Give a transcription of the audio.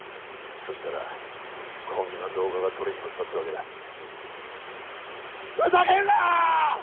そしたらこんな動画が撮れちまったってわけだふざけるなー！